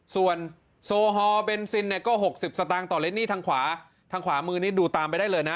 ส่วนโซฮอล์เบนซินก็๖๐สตางค์ต่อลิตรนี้ทางขวามือนี้ดูตามไปได้เลยนะ